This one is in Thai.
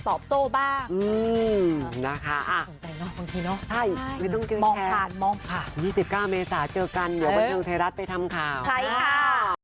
ตอบโต้บ้างอืมนะคะอ่ะสงสัยเนอะบางทีเนอะใช่ไม่ต้องเกี่ยวแค่มองผ่านมองผ่าน๒๙เมษาเจอกันอยู่บนทางไทยรัฐไปทำข่าวไทยข่าว